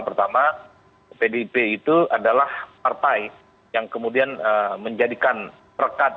pertama pdp itu adalah partai yang kemudian menjadikan perkat